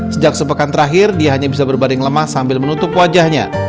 sejak sepekan terakhir dia hanya bisa berbaring lemah sambil menutup wajahnya